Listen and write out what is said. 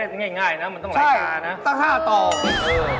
อื้อไม่ใช่